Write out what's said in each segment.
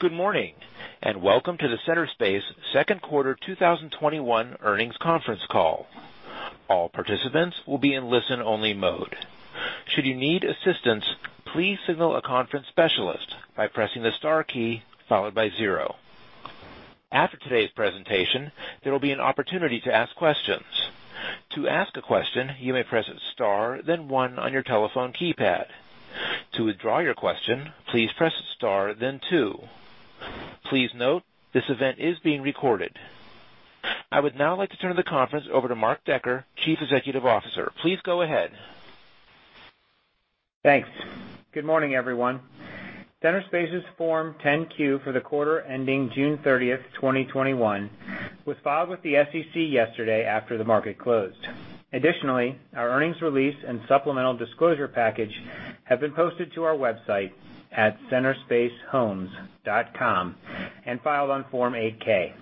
Good morning, and welcome to the Centerspace Q2 2021 Earnings Conference Call. All participants will be in listen-only mode. Should you need assistance, please signal a conference specialist by pressing star zero. After today's presentation, there will be an opportunity to ask questions. To ask a question, you may press star one on your telephone keypad. To withdraw your question, please press star two. Please note, this event is being recorded. I would now like to turn the conference over to Mark Decker, Chief Executive Officer. Please go ahead. Thanks. Good morning, everyone. Centerspace's Form 10-Q for the quarter ending June 30th, 2021 was filed with the SEC yesterday after the market closed. Additionally, our earnings release and supplemental disclosure package have been posted to our website at centerspacehomes.com, and filed on Form 8-K.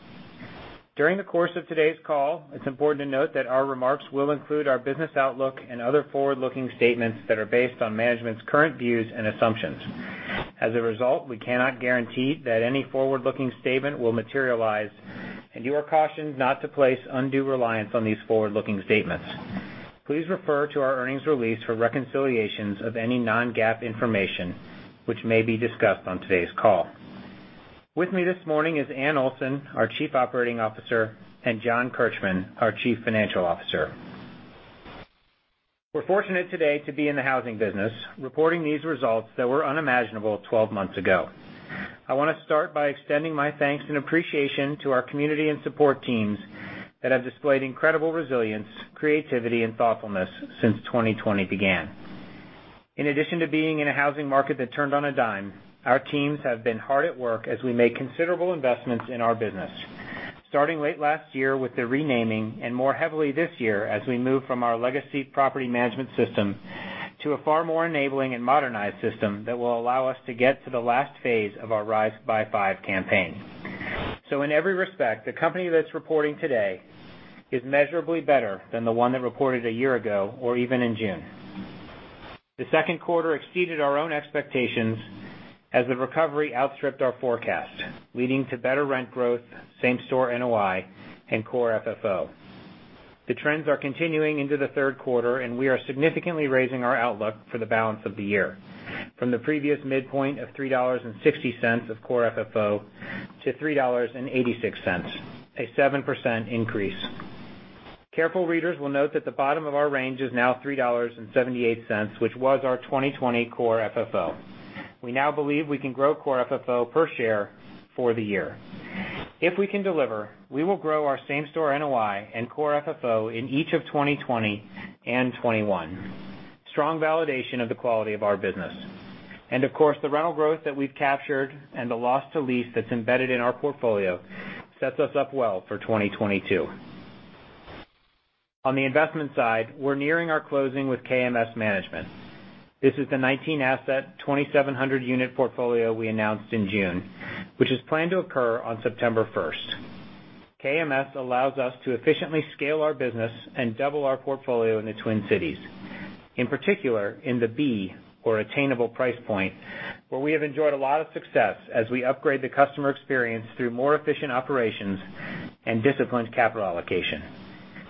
During the course of today's call, it's important to note that our remarks will include our business outlook and other forward-looking statements that are based on management's current views and assumptions. As a result, we cannot guarantee that any forward-looking statement will materialize, and you are cautioned not to place undue reliance on these forward-looking statements. Please refer to our earnings release for reconciliations of any non-GAAP information which may be discussed on today's call. With me this morning is Anne Olson, our Chief Operating Officer, and John Kirchmann, our Chief Financial Officer. We're fortunate today to be in the housing business, reporting these results that were unimaginable 12 months ago. I want to start by extending my thanks and appreciation to our community and support teams that have displayed incredible resilience, creativity, and thoughtfulness since 2020 began. In addition to being in a housing market that turned on a dime, our teams have been hard at work as we make considerable investments in our business. Starting late last year with the renaming, and more heavily this year, as we move from our legacy property management system to a far more enabling and modernized system that will allow us to get to the last phase of our Rise by Five campaign. In every respect, the company that's reporting today is measurably better than the one that reported a year ago, or even in June. The second quarter exceeded our own expectations as the recovery outstripped our forecast, leading to better rent growth, Same-store NOI, and Core FFO. We are significantly raising our outlook for the balance of the year. From the previous midpoint of $3.60 of Core FFO to $3.86, a 7% increase. Careful readers will note that the bottom of our range is now $3.78, which was our 2020 Core FFO. We now believe we can grow Core FFO per share for the year. If we can deliver, we will grow our Same-store NOI and Core FFO in each of 2020 and 2021. Strong validation of the quality of our business. Of course, the rental growth that we've captured and the loss to lease that's embedded in our portfolio sets us up well for 2022. On the investment side, we're nearing our closing with KMS Management. This is the 19 asset, 2,700-unit portfolio we announced in June, which is planned to occur on September 1st. KMS allows us to efficiently scale our business and double our portfolio in the Twin Cities. In particular, in the B, or attainable price point, where we have enjoyed a lot of success as we upgrade the customer experience through more efficient operations and disciplined capital allocation,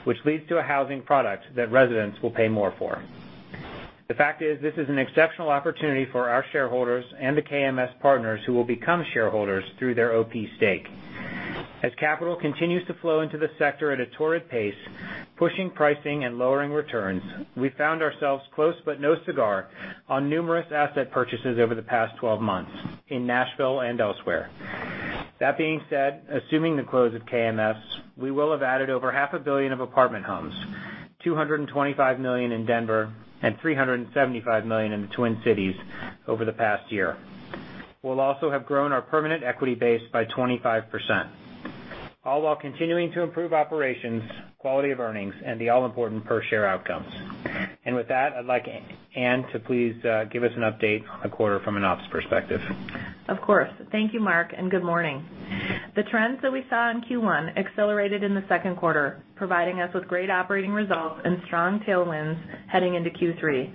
which leads to a housing product that residents will pay more for. The fact is, this is an exceptional opportunity for our shareholders and the KMS partners who will become shareholders through their OP stake. As capital continues to flow into the sector at a torrid pace, pushing pricing and lowering returns, we've found ourselves close but no cigar on numerous asset purchases over the past 12 months in Nashville and elsewhere. That being said, assuming the close of KMS, we will have added over half a billion of apartment homes, $225 million in Denver and $375 million in the Twin Cities over the past year. We'll also have grown our permanent equity base by 25%, all while continuing to improve operations, quality of earnings, and the all-important per share outcomes. With that, I'd like Anne to please give us an update on the quarter from an ops perspective. Of course. Thank you, Mark, and good morning. The trends that we saw in Q1 accelerated in the second quarter, providing us with great operating results and strong tailwinds heading into Q3.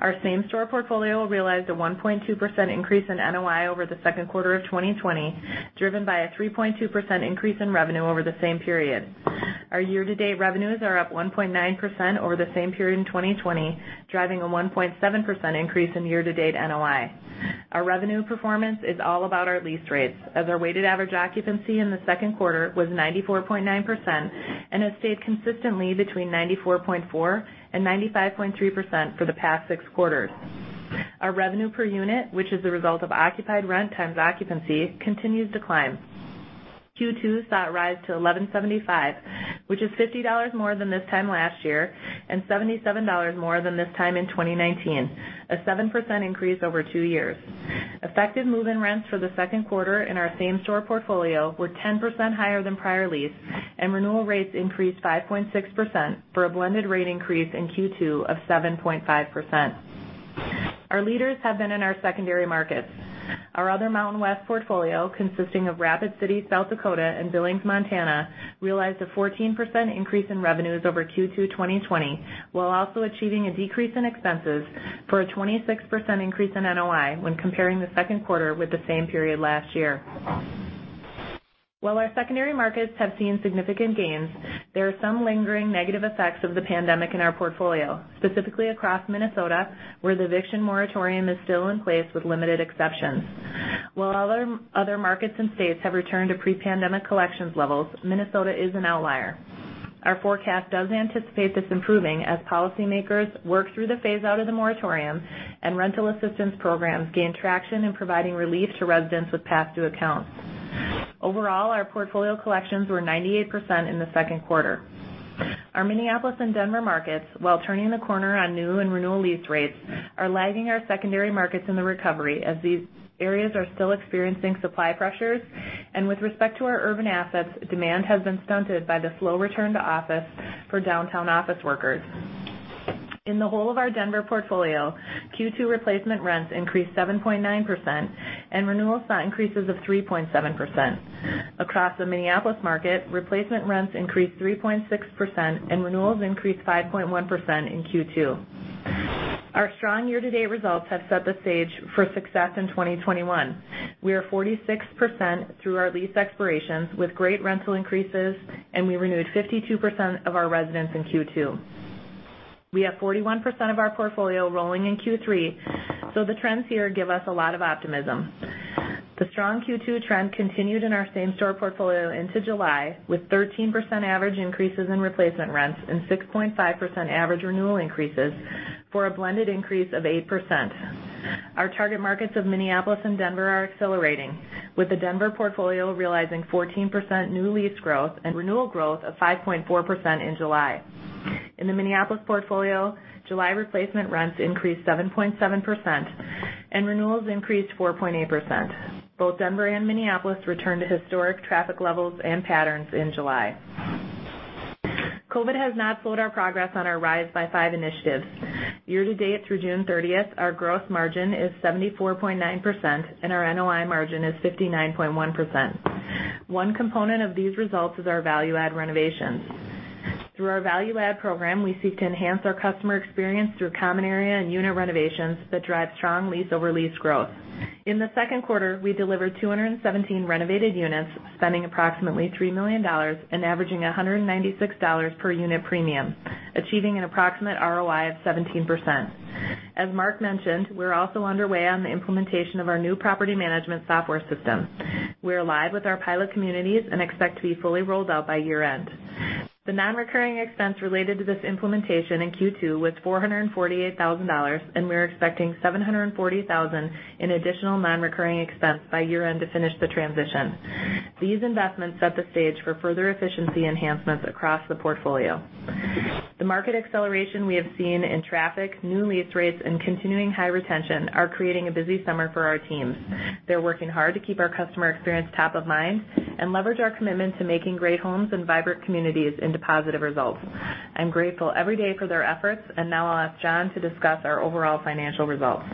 Our Same-store portfolio realized a 1.2% increase in NOI over the second quarter of 2020, driven by a 3.2% increase in revenue over the same period. Our year-to-date revenues are up 1.9% over the same period in 2020, driving a 1.7% increase in year-to-date NOI. Our revenue performance is all about our lease rates, as our weighted average occupancy in the second quarter was 94.9% and has stayed consistently between 94.4% and 95.3% for the past six quarters. Our revenue per unit, which is the result of occupied rent times occupancy, continues to climb. Q2 saw it rise to $1,175, which is $50 more than this time last year, and $77 more than this time in 2019. A 7% increase over two years. Effective move-in rents for the second quarter in our Same-store portfolio were 10% higher than prior lease, and renewal rates increased 5.6% for a blended rate increase in Q2 of 7.5%. Our leaders have been in our secondary markets. Our other Mountain West portfolio, consisting of Rapid City, South Dakota and Billings, Montana, realized a 14% increase in revenues over Q2 2020 while also achieving a decrease in expenses for a 26% increase in NOI when comparing the second quarter with the same period last year. While our secondary markets have seen significant gains, there are some lingering negative effects of the pandemic in our portfolio, specifically across Minnesota, where the eviction moratorium is still in place with limited exceptions. While other markets and states have returned to pre-pandemic collections levels, Minnesota is an outlier. Our forecast does anticipate this improving as policymakers work through the phase-out of the moratorium and rental assistance programs gain traction in providing relief to residents with past due accounts. Overall, our portfolio collections were 98% in the second quarter. Our Minneapolis and Denver markets, while turning the corner on new and renewal lease rates, are lagging our secondary markets in the recovery as these areas are still experiencing supply pressures. With respect to our urban assets, demand has been stunted by the slow return to office for downtown office workers. In the whole of our Denver portfolio, Q2 replacement rents increased 7.9% and renewals saw increases of 3.7%. Across the Minneapolis market, replacement rents increased 3.6% and renewals increased 5.1% in Q2. Our strong year-to-date results have set the stage for success in 2021. We are 46% through our lease expirations with great rental increases, and we renewed 52% of our residents in Q2. We have 41% of our portfolio rolling in Q3, so the trends here give us a lot of optimism. The strong Q2 trend continued in our same-store portfolio into July, with 13% average increases in replacement rents and 6.5% average renewal increases for a blended increase of 8%. Our target markets of Minneapolis and Denver are accelerating, with the Denver portfolio realizing 14% new lease growth and renewal growth of 5.4% in July. In the Minneapolis portfolio, July replacement rents increased 7.7% and renewals increased 4.8%. Both Denver and Minneapolis returned to historic traffic levels and patterns in July. COVID has not slowed our progress on our Rise by Five initiatives. Year-to-date through June 30th, our gross margin is 74.9% and our NOI margin is 59.1%. One component of these results is our value-add renovations. Through our value-add program, we seek to enhance our customer experience through common area and unit renovations that drive strong lease-over-lease growth. In the second quarter, we delivered 217 renovated units, spending approximately $3 million and averaging $196 per unit premium, achieving an approximate ROI of 17%. As Mark mentioned, we're also underway on the implementation of our new property management software system. We are live with our pilot communities and expect to be fully rolled out by year-end. The non-recurring expense related to this implementation in Q2 was $448,000, and we're expecting $740,000 in additional non-recurring expense by year-end to finish the transition. These investments set the stage for further efficiency enhancements across the portfolio. The market acceleration we have seen in traffic, new lease rates, and continuing high retention are creating a busy summer for our teams. They're working hard to keep our customer experience top of mind and leverage our commitment to making great homes and vibrant communities into positive results. I'm grateful every day for their efforts, and now I'll ask John to discuss our overall financial results.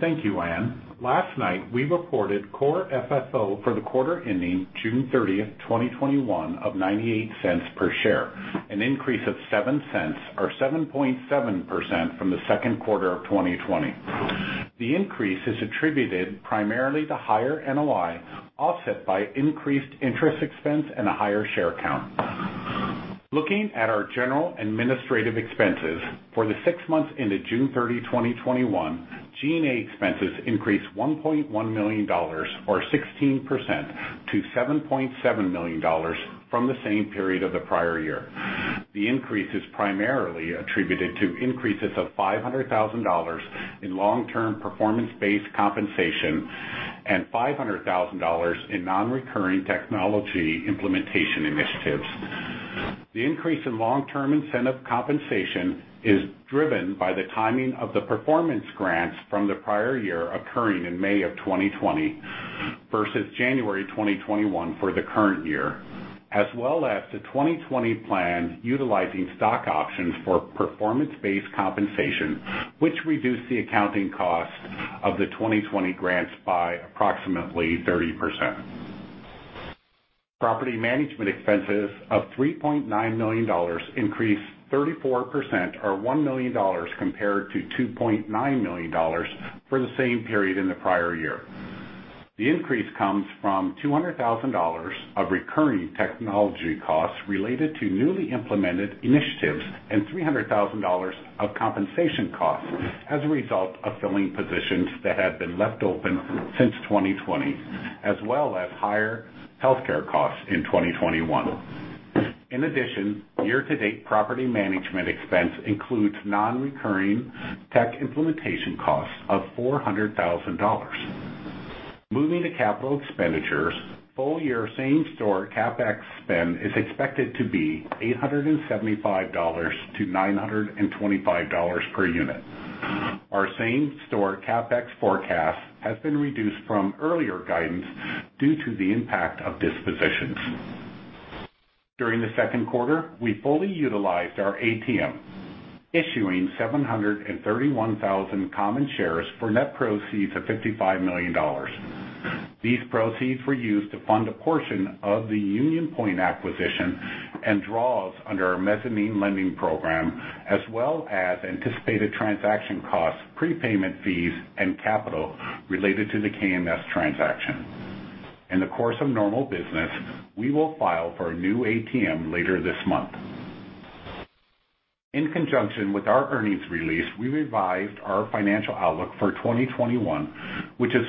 Thank you, Anne Olson. Last night, we reported Core FFO for the quarter ending June 30th, 2021 of $0.98 per share, an increase of $0.07 or 7.7% from the second quarter of 2020. The increase is attributed primarily to higher NOI offset by increased interest expense and a higher share count. Looking at our general administrative expenses for the six months into June 30, 2021, G&A expenses increased $1.1 million or 16% to $7.7 million from the same period of the prior year. The increase is primarily attributed to increases of $500,000 in long-term performance-based compensation and $500,000 in non-recurring technology implementation initiatives. The increase in long-term incentive compensation is driven by the timing of the performance grants from the prior year occurring in May of 2020 versus January 2021 for the current year, as well as the 2020 plan utilizing stock options for performance-based compensation, which reduced the accounting cost of the 2020 grants by approximately 30%. Property management expenses of $3.9 million increased 34% or $1 million compared to $2.9 million for the same period in the prior year. The increase comes from $200,000 of recurring technology costs related to newly implemented initiatives and $300,000 of compensation costs as a result of filling positions that had been left open since 2020, as well as higher healthcare costs in 2021. In addition, year-to-date property management expense includes non-recurring tech implementation costs of $400,000. Moving to capital expenditures, full-year Same-store CapEx spend is expected to be $875-$925 per unit. Our same-store CapEx forecast has been reduced from earlier guidance due to the impact of dispositions. During the second quarter, we fully utilized our ATM, issuing 731,000 common shares for net proceeds of $55 million. These proceeds were used to fund a portion of the Union Pointe acquisition and draws under our mezzanine lending program, as well as anticipated transaction costs, prepayment fees, and capital related to the KMS transaction. In the course of normal business, we will file for a new ATM later this month. In conjunction with our earnings release, we revised our financial outlook for 2021, which is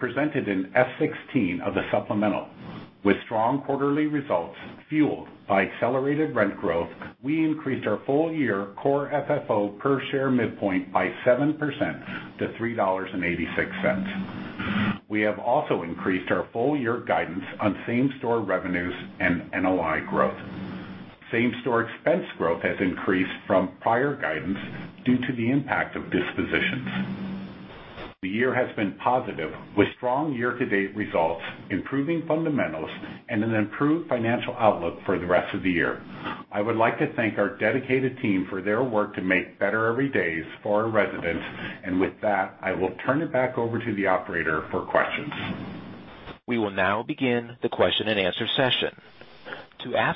presented in F16 of the supplemental. With strong quarterly results fueled by accelerated rent growth, we increased our full-year Core FFO per share midpoint by 7% to $3.86. We have also increased our full-year guidance on same-store revenues and NOI growth. Same-store expense growth has increased from prior guidance due to the impact of dispositions. The year has been positive with strong year-to-date results, improving fundamentals, and an improved financial outlook for the rest of the year. I would like to thank our dedicated team for their work to make better every days for our residents. With that, I will turn it back over to the operator for questions. Our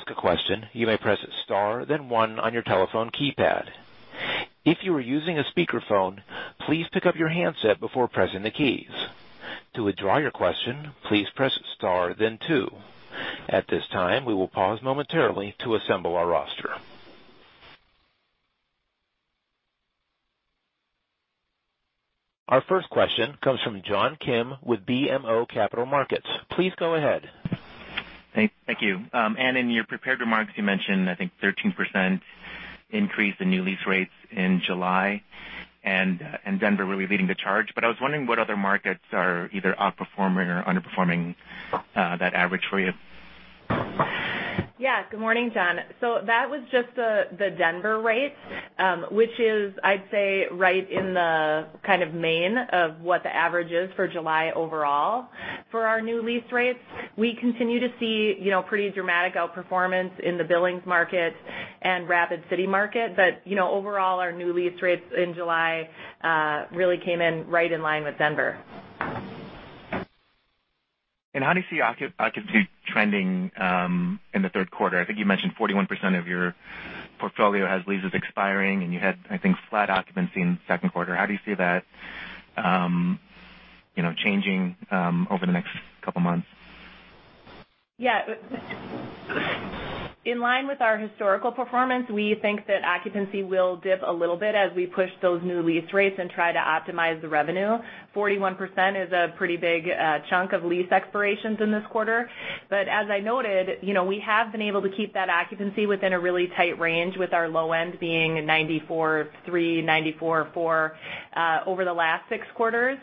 first question comes from John Kim with BMO Capital Markets. Please go ahead. Thank you. Anne, in your prepared remarks, you mentioned, I think, 13% increase in new lease rates in July, and Denver really leading the charge. I was wondering what other markets are either outperforming or underperforming that average for you? Good morning, John. That was just the Denver rate, which is, I'd say, right in the kind of main of what the average is for July overall. For our new lease rates, we continue to see pretty dramatic outperformance in the Billings market and Rapid City market. Overall, our new lease rates in July really came in right in line with Denver. How do you see occupancy trending in the third quarter? I think you mentioned 41% of your portfolio has leases expiring, and you had, I think, flat occupancy in the second quarter. How do you see that changing over the next couple of months? Yeah. In line with our historical performance, we think that occupancy will dip a little bit as we push those new lease rates and try to optimize the revenue. 41% is a pretty big chunk of lease expirations in this quarter. As I noted, we have been able to keep that occupancy within a really tight range, with our low end being 94.3, 94.4 over the last six quarters.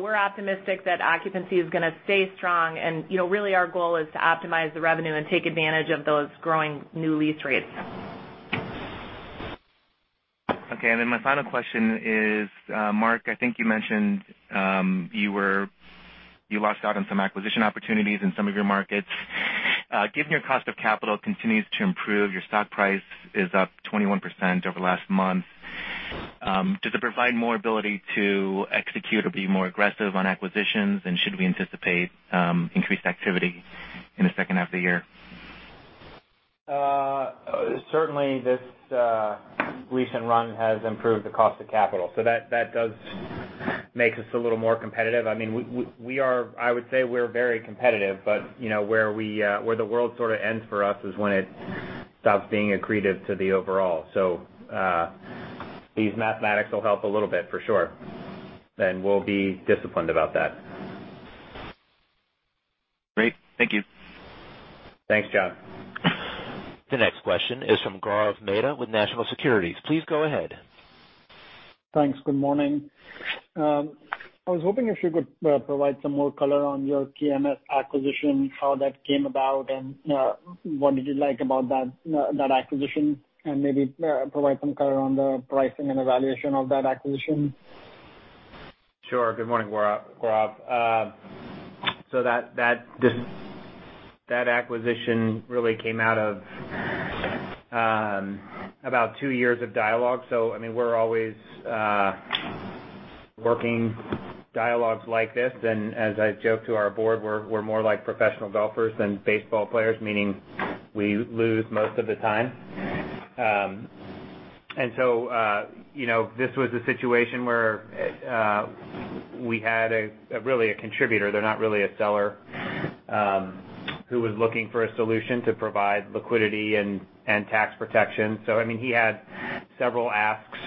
We're optimistic that occupancy is going to stay strong and really our goal is to optimize the revenue and take advantage of those growing new lease rates. Okay, my final question is, Mark, I think you mentioned you lost out on some acquisition opportunities in some of your markets. Given your cost of capital continues to improve, your stock price is up 21% over the last month, does it provide more ability to execute or be more aggressive on acquisitions, and should we anticipate increased activity in the second half of the year? Certainly this recent run has improved the cost of capital, so that does make us a little more competitive. I would say we're very competitive, but where the world sort of ends for us is when it stops being accretive to the overall. These mathematics will help a little bit for sure, and we'll be disciplined about that. Great. Thank you. Thanks, John. The next question is from Gaurav Mehta with National Securities. Please go ahead. Thanks. Good morning. I was hoping if you could provide some more color on your KMS acquisition, how that came about, and what did you like about that acquisition, and maybe provide some color on the pricing and evaluation of that acquisition. Sure. Good morning, Gaurav. That acquisition really came out of about two years of dialogue. We're always working dialogues like this. As I joke to our board, we're more like professional golfers than baseball players, meaning we lose most of the time. This was a situation where we had really a contributor. They're not really a seller, who was looking for a solution to provide liquidity and tax protection. He had several asks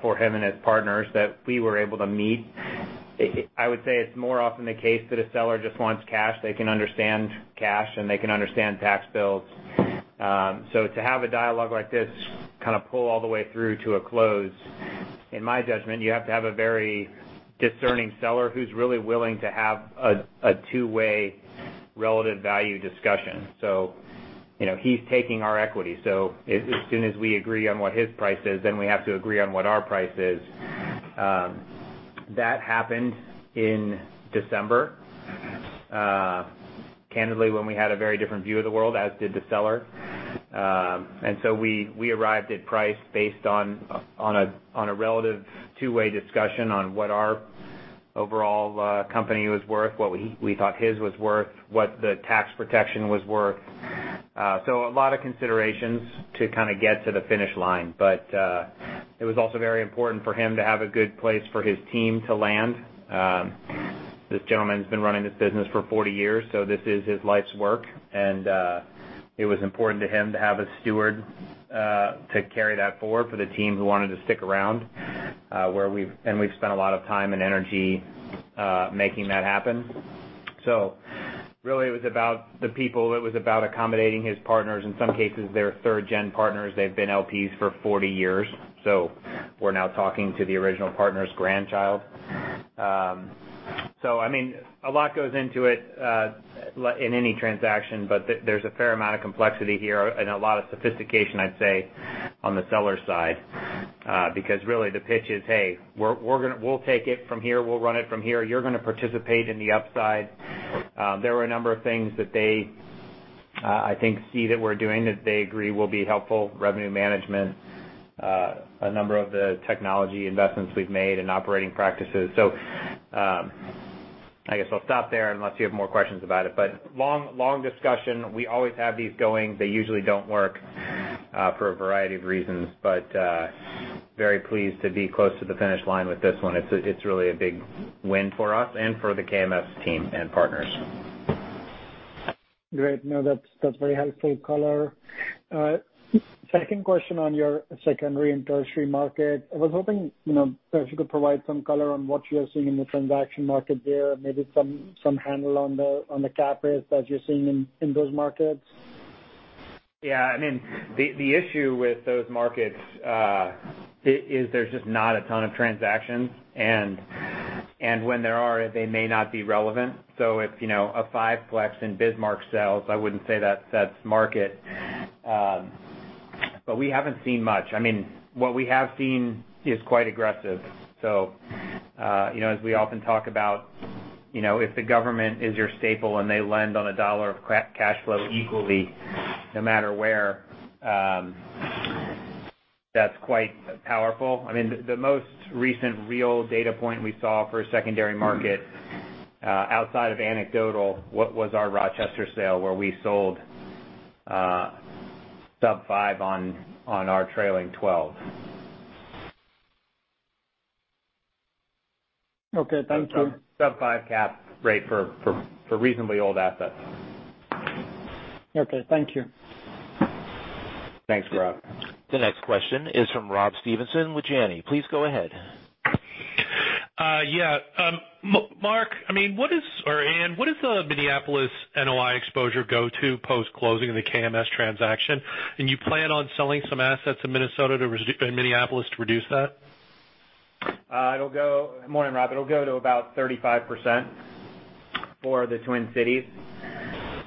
for him and his partners that we were able to meet. I would say it's more often the case that a seller just wants cash. They can understand cash, and they can understand tax bills. To have a dialogue like this kind of pull all the way through to a close, in my judgment, you have to have a very discerning seller who's really willing to have a two-way relative value discussion. He's taking our equity. As soon as we agree on what his price is, then we have to agree on what our price is. That happened in December, candidly, when we had a very different view of the world, as did the seller. We arrived at price based on a relative two-way discussion on what our overall company was worth, what we thought his was worth, what the tax protection was worth. A lot of considerations to kind of get to the finish line. It was also very important for him to have a good place for his team to land. This gentleman's been running this business for 40 years, so this is his life's work, and it was important to him to have a steward to carry that forward for the team who wanted to stick around, and we've spent a lot of time and energy making that happen. Really it was about the people. It was about accommodating his partners. In some cases, they're third-gen partners. They've been LPs for 40 years. We're now talking to the original partner's grandchild. A lot goes into it in any transaction, but there's a fair amount of complexity here and a lot of sophistication, I'd say, on the seller side, because really the pitch is, "Hey, we'll take it from here. We'll run it from here. You're going to participate in the upside. There were a number of things that they, I think, see that we're doing that they agree will be helpful, revenue management, a number of the technology investments we've made and operating practices. I guess I'll stop there unless you have more questions about it, but long discussion. We always have these going. They usually don't work for a variety of reasons, but very pleased to be close to the finish line with this one. It's really a big win for us and for the KMS team and partners. Great. No, that's very helpful color. Second question on your secondary and tertiary market. I was hoping if you could provide some color on what you're seeing in the transaction market there, maybe some handle on the cap rates that you're seeing in those markets. The issue with those markets is there's just not a ton of transactions, and when there are, they may not be relevant. If a five-plex in Bismarck sells, I wouldn't say that sets market. We haven't seen much. What we have seen is quite aggressive. As we often talk about, if the government is your staple and they lend on a $1 of cash flow equally no matter where, that's quite powerful. The most recent real data point we saw for a secondary market, outside of anecdotal, was our Rochester sale where we sold sub-five on our trailing 12. Okay. Thank you. Sub-five cap rate for reasonably old assets. Okay. Thank you. Thanks, Gaurav. The next question is from Rob Stevenson with Janney. Please go ahead. Yeah. Mark, or Anne, what does the Minneapolis NOI exposure go to post-closing in the KMS transaction? You plan on selling some assets in Minnesota, in Minneapolis to reduce that? Good morning, Rob. It'll go to about 35% for the Twin Cities.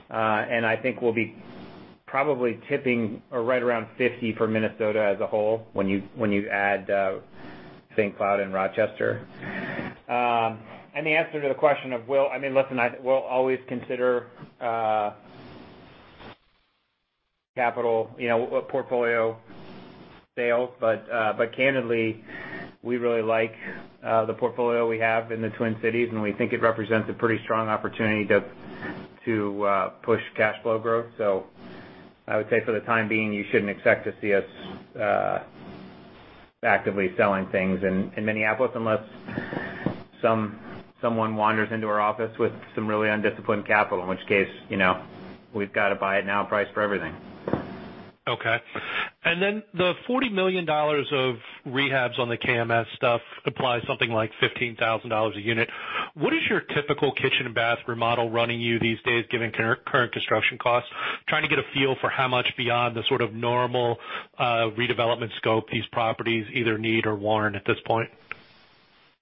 I think we'll be probably tipping right around 50% for Minnesota as a whole when you add St. Cloud and Rochester. The answer to the question of Listen, we'll always consider capital, portfolio sale, but candidly, we really like the portfolio we have in the Twin Cities, and we think it represents a pretty strong opportunity to push cash flow growth. I would say for the time being, you shouldn't expect to see us actively selling things in Minneapolis unless someone wanders into our office with some really undisciplined capital, in which case, we've got a buy it now price for everything. Okay. The $40 million of rehabs on the KMS stuff applies something like $15,000 a unit. What is your typical kitchen and bath remodel running you these days, given current construction costs? Trying to get a feel for how much beyond the sort of normal redevelopment scope these properties either need or warrant at this point.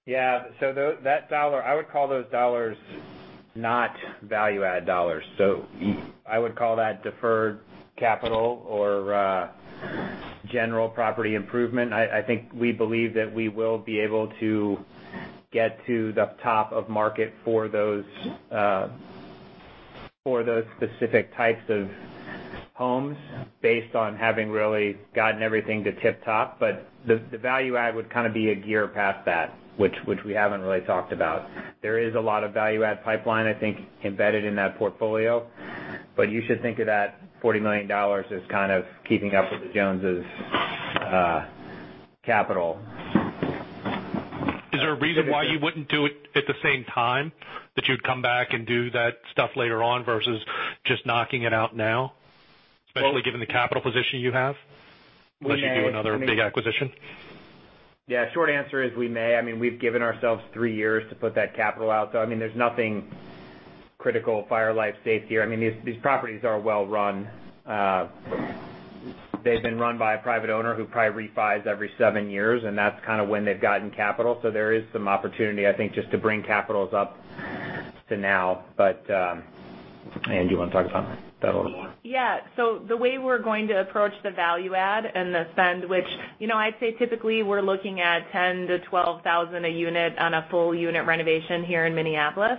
Yeah. I would call those dollars not value-add dollars. I would call that deferred capital or general property improvement. I think we believe that we will be able to get to the top of market for those specific types of homes based on having really gotten everything to tip-top. The value-add would kind of be a gear past that, which we haven't really talked about. There is a lot of value-add pipeline, I think, embedded in that portfolio, but you should think of that $40 million as kind of keeping up with the Joneses capital. Is there a reason why you wouldn't do it at the same time? That you'd come back and do that stuff later on versus just knocking it out now? Especially given the capital position you have. We may. Unless you do another big acquisition. Yeah. Short answer is we may. We've given ourselves three years to put that capital out. There's nothing critical, fire, life, safety. These properties are well run. They've been run by a private owner who probably refis every seven years, and that's kind of when they've gotten capital. There is some opportunity, I think, just to bring capitals up to now. Anne, do you want to talk about that a little more? Yeah. The way we're going to approach the value-add and the spend, which I'd say typically we're looking at $10,000-$12,000 a unit on a full unit renovation here in Minneapolis.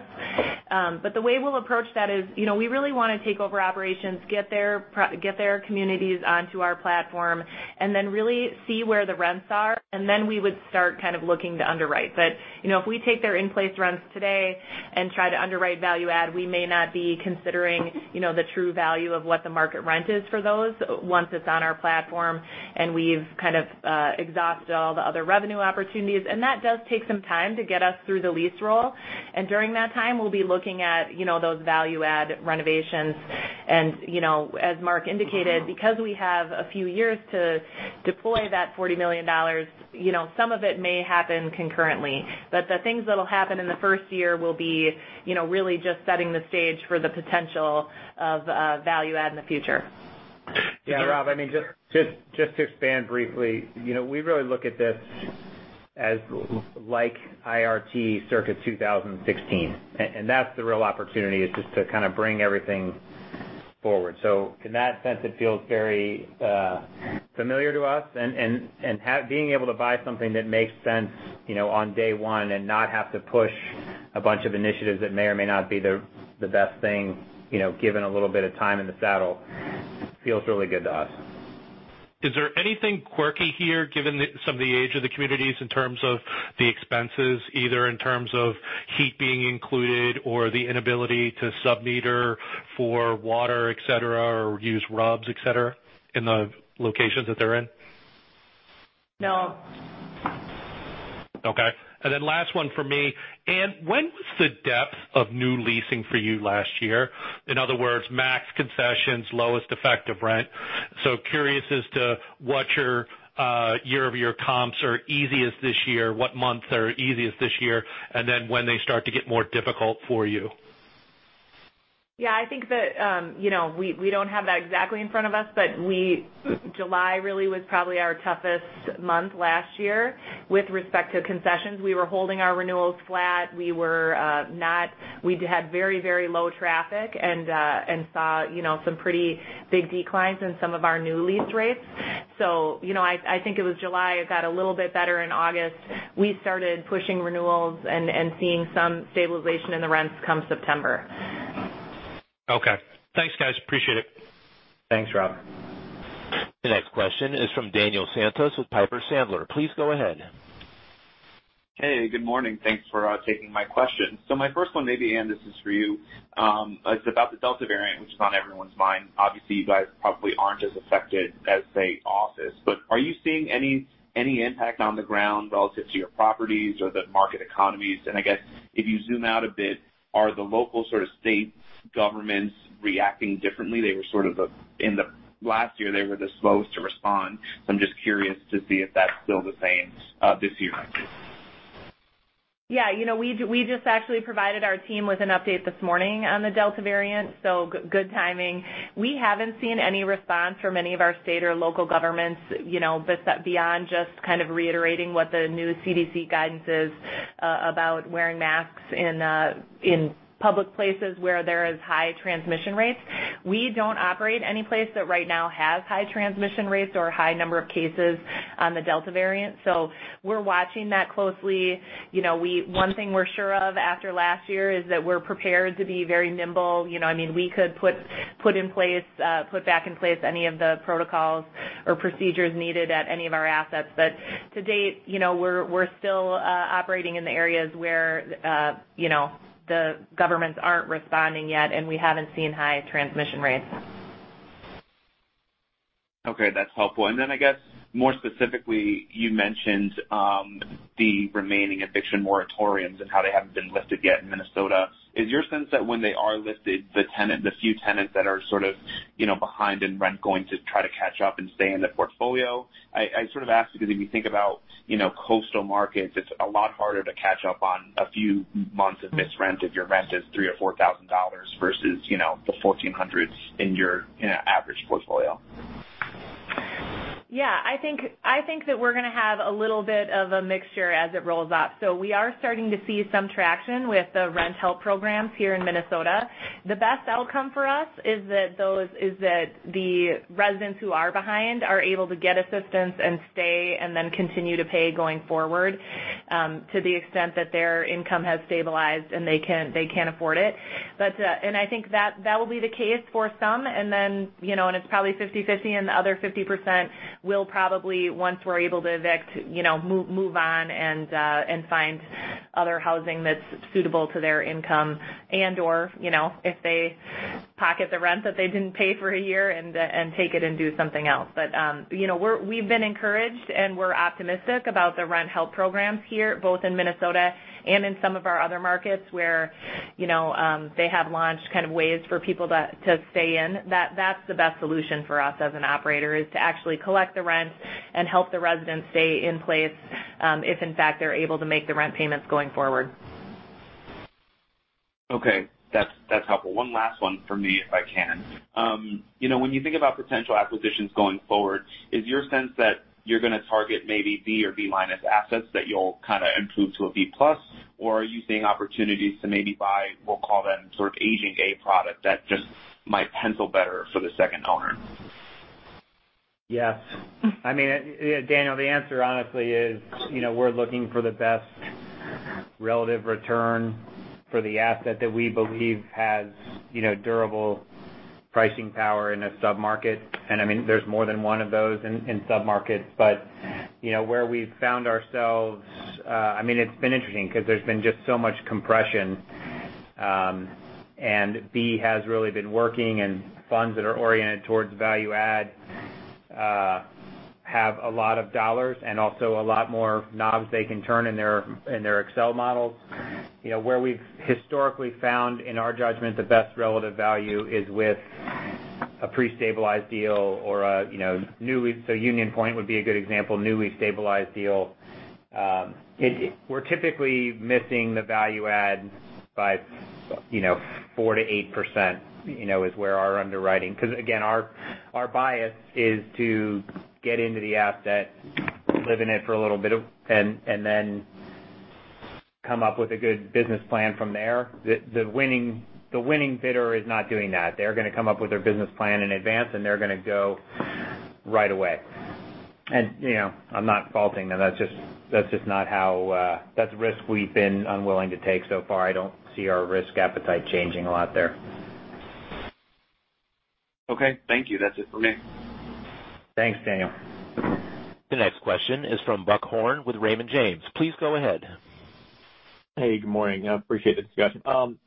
The way we'll approach that is, we really want to take over operations, get their communities onto our platform, and then really see where the rents are, and then we would start kind of looking to underwrite. If we take their in-place rents today and try to underwrite value-add, we may not be considering the true value of what the market rent is for those once it's on our platform and we've kind of exhausted all the other revenue opportunities. That does take some time to get us through the lease roll. During that time, we'll be looking at those value-add renovations. As Mark indicated, because we have a few years to deploy that $40 million, some of it may happen concurrently. The things that'll happen in the first year will be really just setting the stage for the potential of value-add in the future. Yeah, Rob, just to expand briefly. We really look at this like IRET circa 2016. That's the real opportunity, is just to kind of bring everything forward. In that sense, it feels very familiar to us, and being able to buy something that makes sense on day one and not have to push a bunch of initiatives that may or may not be the best thing, given a little bit of time in the saddle, feels really good to us. Is there anything quirky here, given some of the age of the communities in terms of the expenses, either in terms of heat being included or the inability to sub-meter for water, et cetera, or use RUBS, et cetera, in the locations that they're in? No. Okay. Last one from me. Anne, when was the depth of new leasing for you last year? In other words, max concessions, lowest effective rent. I am curious as to what your year-over-year comps are easiest this year, what months are easiest this year, when they start to get more difficult for you. Yeah, I think that we don't have that exactly in front of us, but July really was probably our toughest month last year with respect to concessions. We were holding our renewals flat. We had very low traffic and saw some pretty big declines in some of our new lease rates. I think it was July. It got a little bit better in August. We started pushing renewals and seeing some stabilization in the rents come September. Okay. Thanks, guys. Appreciate it. Thanks, Rob. The next question is from Daniel Santos with Piper Sandler. Please go ahead. Hey, good morning. Thanks for taking my question. My first one, maybe Anne, this is for you. It's about the Delta variant, which is on everyone's mind. Obviously, you guys probably aren't as affected as, say, office, but are you seeing any impact on the ground relative to your properties or the market economies? I guess if you zoom out a bit, are the local sort of state governments reacting differently? In the last year, they were the slowest to respond. I'm just curious to see if that's still the same this year. Yeah. We just actually provided our team with an update this morning on the Delta variant. Good timing. We haven't seen any response from any of our state or local governments, beyond just kind of reiterating what the new CDC guidance is about wearing masks in public places where there is high transmission rates. We don't operate any place that right now has high transmission rates or a high number of cases on the Delta variant. We're watching that closely. One thing we're sure of after last year is that we're prepared to be very nimble. We could put back in place any of the protocols or procedures needed at any of our assets. To date, we're still operating in the areas where the governments aren't responding yet, and we haven't seen high transmission rates. That's helpful. I guess more specifically, you mentioned the remaining eviction moratoriums and how they haven't been lifted yet in Minnesota. Is your sense that when they are lifted, the few tenants that are sort of behind in rent going to try to catch up and stay in the portfolio? I sort of ask because if you think about coastal markets, it's a lot harder to catch up on a few months of missed rent if your rent is $3,000 or $4,000 versus the $1,400s in your average portfolio. Yeah. I think that we're going to have a little bit of a mixture as it rolls out. We are starting to see some traction with the rent help programs here in Minnesota. The best outcome for us is that the residents who are behind are able to get assistance and stay and then continue to pay going forward, to the extent that their income has stabilized and they can afford it. I think that will be the case for some. It's probably 50/50 and the other 50% will probably, once we're able to evict, move on and find other housing that's suitable to their income and/or if they pocket the rent that they didn't pay for a year and take it and do something else. We've been encouraged, and we're optimistic about the rent help programs here, both in Minnesota and in some of our other markets where they have launched kind of ways for people to stay in. That's the best solution for us as an operator, is to actually collect the rent and help the residents stay in place, if in fact, they're able to make the rent payments going forward. Okay. That's helpful. One last one for me, if I can. When you think about potential acquisitions going forward, is your sense that you're going to target maybe B or B- assets that you'll kind of improve to a B+, or are you seeing opportunities to maybe buy, we'll call them sort of aging A product that just might pencil better for the second owner? Yes. Daniel, the answer honestly is we're looking for the best relative return for the asset that we believe has durable pricing power in a sub-market, and there's more than one of those in sub-markets. Where we've found ourselves, it's been interesting because there's been just so much compression. B has really been working and funds that are oriented towards value-add have a lot of dollars and also a lot more knobs they can turn in their Excel models. Where we've historically found, in our judgment, the best relative value is with a pre-stabilized deal or a Union Pointe would be a good example, newly stabilized deal. We're typically missing the value add by 4%-8%, because again, our bias is to get into the asset, live in it for a little bit, and then come up with a good business plan from there. The winning bidder is not doing that. They're going to come up with their business plan in advance, and they're going to go right away. I'm not faulting them. That's risk we've been unwilling to take so far. I don't see our risk appetite changing a lot there. Okay. Thank you. That's it for me. Thanks, Daniel. The next question is from Buck Horne with Raymond James. Please go ahead. Hey, good morning. I appreciate the discussion. I'm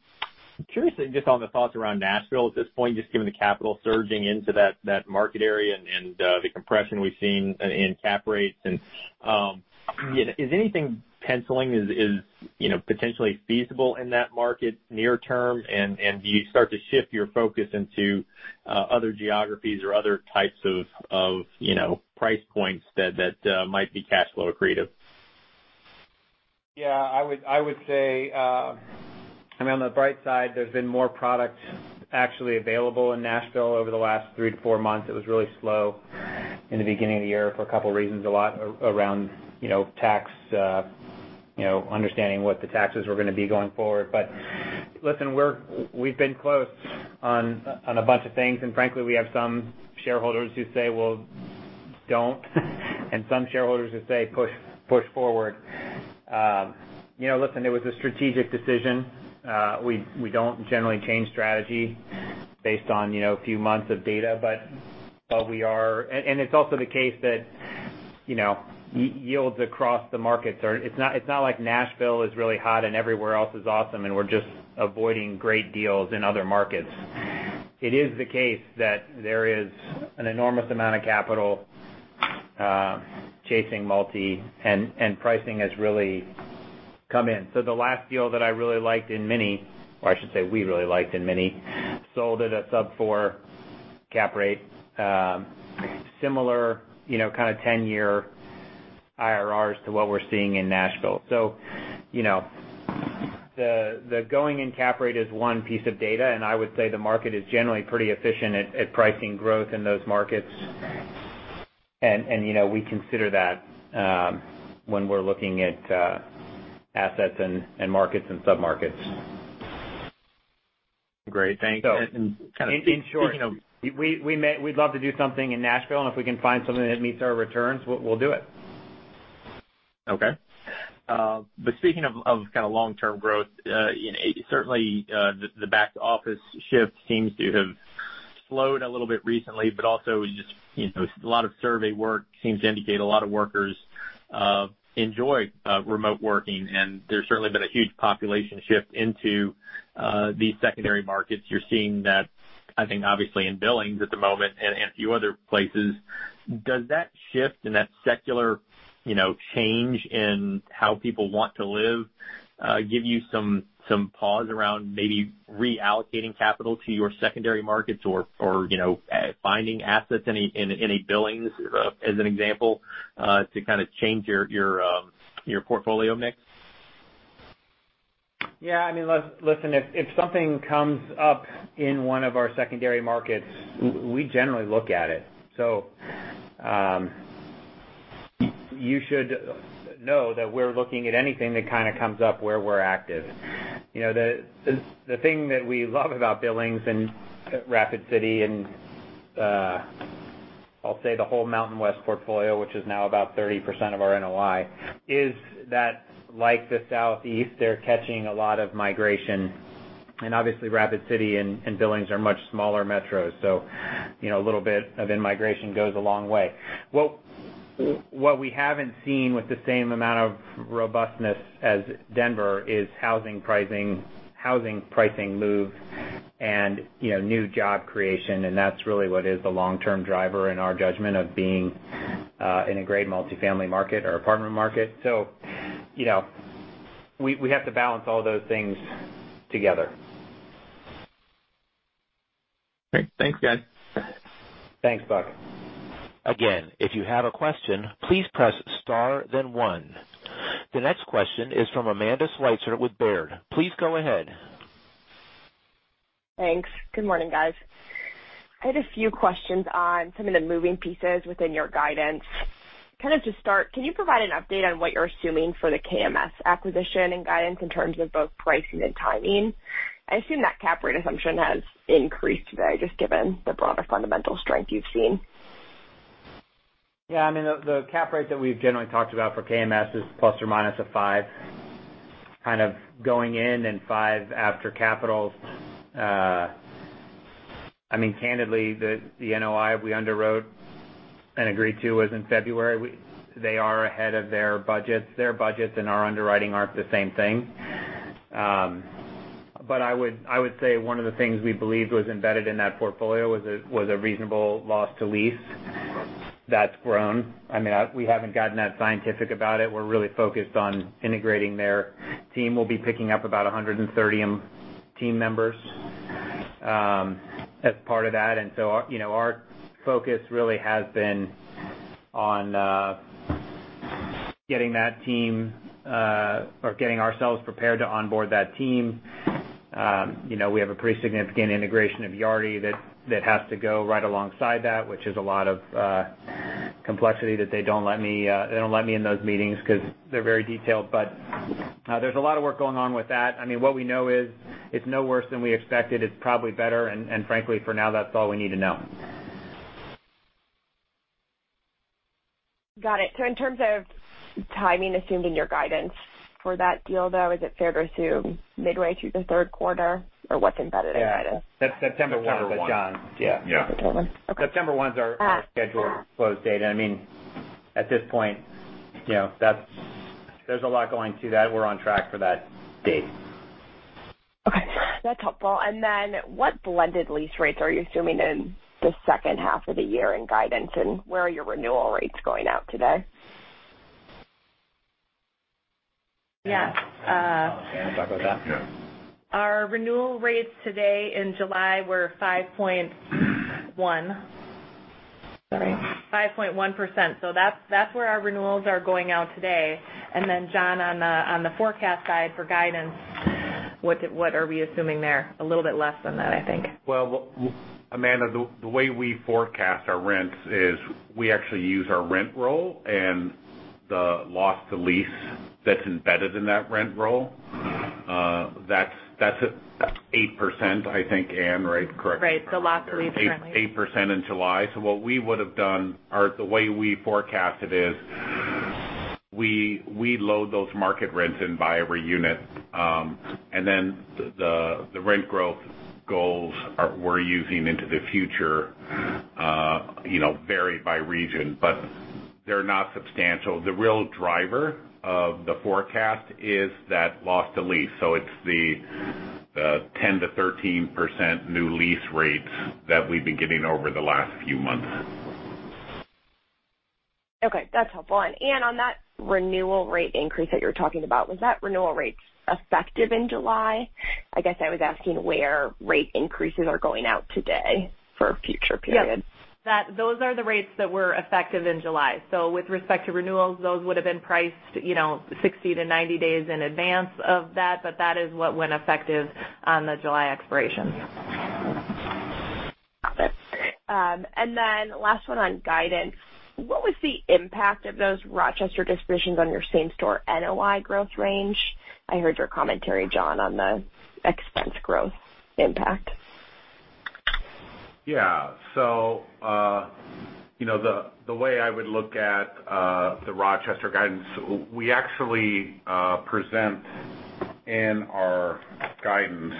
curious just on the thoughts around Nashville at this point, just given the capital surging into that market area and the compression we've seen in cap rates. Is anything penciling, is potentially feasible in that market near term? Do you start to shift your focus into other geographies or other types of price points that might be cash flow accretive? Yeah. I would say, on the bright side, there's been more product actually available in Nashville over the last three to four months. It was really slow in the beginning of the year for a couple reasons, a lot around tax, understanding what the taxes were going to be going forward. Listen, we've been close on a bunch of things. Frankly, we have some shareholders who say, "Well, don't." Some shareholders who say, "Push forward." Listen, it was a strategic decision. We don't generally change strategy based on a few months of data. We are. It's also the case that yields across the markets are not like Nashville is really hot and everywhere else is awesome, and we're just avoiding great deals in other markets. It is the case that there is an enormous amount of capital chasing multi, and pricing has really come in. The last deal that I really liked in Minneapolis, or I should say we really liked in Minneapolis, sold at a sub-four cap rate, similar kind of 10-year IRRs to what we're seeing in Nashville. The going-in cap rate is one piece of data, and I would say the market is generally pretty efficient at pricing growth in those markets. We consider that when we're looking at assets and markets and sub-markets. Great. Thanks. kind of In short, we'd love to do something in Nashville, and if we can find something that meets our returns, we'll do it. Okay. Speaking of kind of long-term growth, certainly the back office shift seems to have slowed a little bit recently, but also just a lot of survey work seems to indicate a lot of workers enjoy remote working, and there's certainly been a huge population shift into these secondary markets. You're seeing that, I think, obviously in Billings at the moment and a few other places. Does that shift and that secular change in how people want to live give you some pause around maybe reallocating capital to your secondary markets or finding assets in a Billings, as an example, to kind of change your portfolio mix? Yeah. Listen, if something comes up in one of our secondary markets, we generally look at it. You should know that we're looking at anything that kind of comes up where we're active. The thing that we love about Billings and Rapid City and I'll say the whole Mountain West portfolio, which is now about 30% of our NOI, is that like the Southeast, they're catching a lot of migration. Obviously, Rapid City and Billings are much smaller metros, so a little bit of in-migration goes a long way. What we haven't seen with the same amount of robustness as Denver is housing pricing moves and new job creation, that's really what is the long-term driver in our judgment of being in a great multi-family market or apartment market. We have to balance all those things together. Great. Thanks, guys. Thanks, Buck. Again, if you have a question, please press star then one. The next question is from Amanda Sweitzer with Baird. Please go ahead. Thanks. Good morning, guys. I had a few questions on some of the moving pieces within your guidance. Kind of to start, can you provide an update on what you're assuming for the KMS acquisition and guidance in terms of both pricing and timing? I assume that cap rate assumption has increased today, just given the broader fundamental strength you've seen. The cap rate that we've generally talked about for KMS is plus or minus a 5% kind of going in and 5% after capital. Candidly, the NOI we underwrote and agreed to was in February. They are ahead of their budgets. Their budgets and our underwriting aren't the same thing. I would say one of the things we believed was embedded in that portfolio was a reasonable loss to lease that's grown. We haven't gotten that scientific about it. We're really focused on integrating their team. We'll be picking up about 130 team members as part of that. Our focus really has been on getting that team or getting ourselves prepared to onboard that team. We have a pretty significant integration of Yardi that has to go right alongside that, which is a lot of complexity that they don't let me in those meetings because they're very detailed. There's a lot of work going on with that. What we know is it's no worse than we expected. It's probably better. Frankly, for now, that's all we need to know. Got it. In terms of timing assumed in your guidance for that deal, though, is it fair to assume midway through the third quarter, or what's embedded in guidance? Yeah. That's September 1. September 1. That's John's. Yeah. September 1? Okay. September 1 is our scheduled close date. At this point, there's a lot going to that. We're on track for that date. Okay. That's helpful. Then what blended lease rates are you assuming in the second half of the year in guidance, and where are your renewal rates going out today? Anne, do you want to talk about that? Yeah. Our renewal rates today in July were 5.1%. Sorry. 5.1%. That's where our renewals are going out today. John, on the forecast guide for guidance, what are we assuming there? A little bit less than that, I think. Well, Amanda, the way we forecast our rents is we actually use our rent roll and the loss to lease that's embedded in that rent roll. That's 8%, I think. Anne, right? Correct me if I'm wrong. Right. The loss to lease currently. 8% in July. What we would have done, or the way we forecast it is we load those market rents in by every unit, and then the rent growth goals we're using into the future vary by region, but they're not substantial. The real driver of the forecast is that loss to lease. It's the 10%-13% new lease rates that we've been getting over the last few months. Okay, that's helpful. Anne, on that renewal rate increase that you're talking about, was that renewal rates effective in July? I guess I was asking where rate increases are going out today for future periods. Yes. Those are the rates that were effective in July. With respect to renewals, those would have been priced 60-90 days in advance of that. That is what went effective on the July expiration. Got it. Last one on guidance. What was the impact of those Rochester dispositions on your same-store NOI growth range? I heard your commentary, John, on the expense growth impact. Yeah. The way I would look at the Rochester guidance, we actually present in our guidance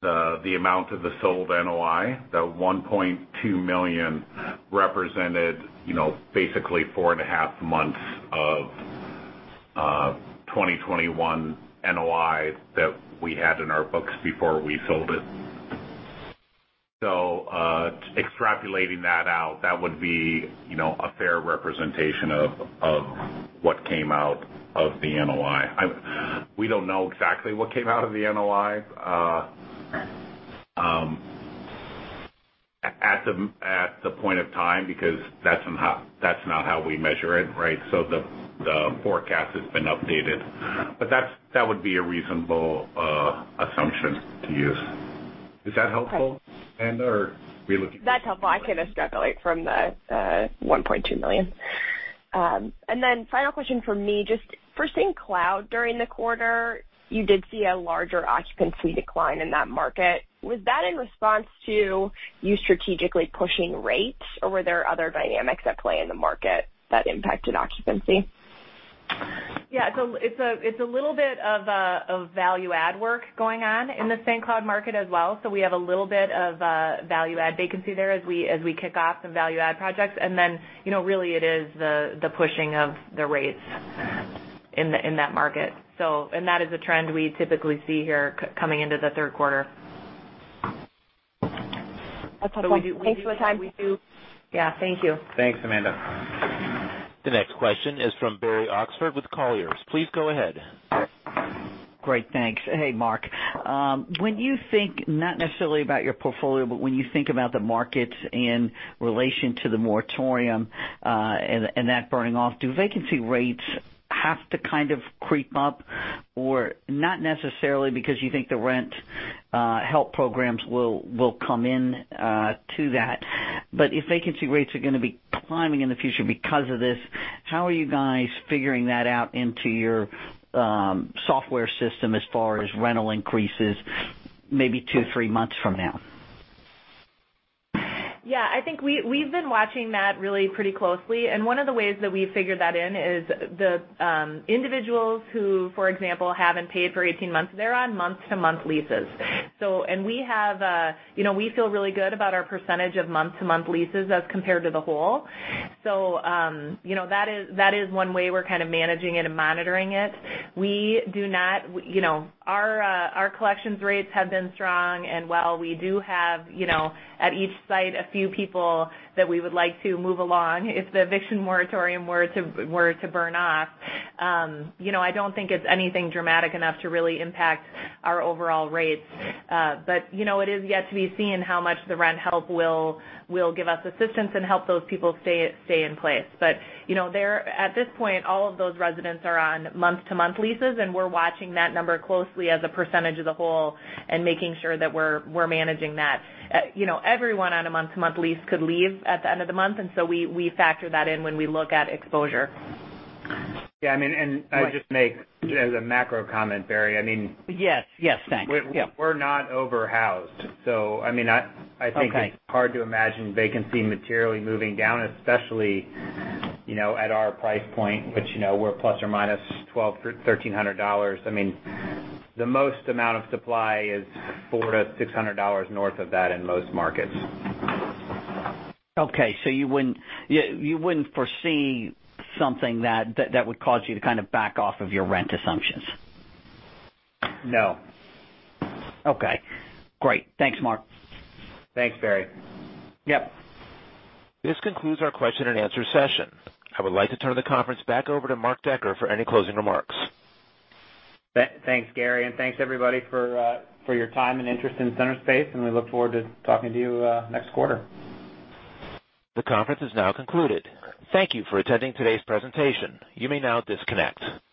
the amount of the sold NOI. The $1.2 million represented basically four and a half months of 2021 NOI that we had in our books before we sold it. Extrapolating that out, that would be a fair representation of what came out of the NOI. We don't know exactly what came out of the NOI at the point of time, because that's not how we measure it, right? The forecast has been updated, but that would be a reasonable assumption to use. Is that helpful, Amanda, or are we looking for something? That's helpful. I can extrapolate from the $1.2 million. Final question from me, just for St. Cloud during the quarter, you did see a larger occupancy decline in that market. Was that in response to you strategically pushing rates, or were there other dynamics at play in the market that impacted occupancy? It's a little bit of value-add work going on in the St. Cloud market as well. We have a little bit of value-add vacancy there as we kick off some value-add projects. Really it is the pushing of the rates in that market. That is a trend we typically see here coming into the third quarter. That's helpful. Thank you for your time. Yeah. Thank you. Thanks, Amanda. The next question is from Barry Oxford with Colliers. Please go ahead. Great. Thanks. Hey, Mark. When you think, not necessarily about your portfolio, but when you think about the markets in relation to the moratorium and that burning off, do vacancy rates have to kind of creep up or not necessarily because you think the rent help programs will come in to that? If vacancy rates are going to be climbing in the future because of this, how are you guys figuring that out into your software system as far as rental increases, maybe two, three months from now? Yeah, I think we've been watching that really pretty closely, and one of the ways that we figured that in is the individuals who, for example, haven't paid for 18 months, they're on month-to-month leases. We feel really good about our percentage of month-to-month leases as compared to the whole. That is one way we're kind of managing it and monitoring it. Our collections rates have been strong, and while we do have at each site a few people that we would like to move along, if the eviction moratorium were to burn off, I don't think it's anything dramatic enough to really impact our overall rates. It is yet to be seen how much the rent help will give us assistance and help those people stay in place. At this point, all of those residents are on month-to-month leases, and we're watching that number closely as a percentage of the whole and making sure that we're managing that. Everyone on a month-to-month lease could leave at the end of the month, so we factor that in when we look at exposure. Yeah. I'll just make as a macro comment, Barry. I mean. Yes. Thanks. We're not overhoused. I think it's hard to imagine vacancy materially moving down, especially at our price point, which we're ±$1,200, $1,300. The most amount of supply is $400-$600 north of that in most markets. Okay. You wouldn't foresee something that would cause you to kind of back off of your rent assumptions? No. Okay, great. Thanks, Mark. Thanks, Barry. Yep. This concludes our question and answer session. I would like to turn the conference back over to Mark Decker for any closing remarks. Thanks, Gary, and thanks everybody for your time and interest in Centerspace, and we look forward to talking to you next quarter. The conference is now concluded. Thank you for attending today's presentation. You may now disconnect.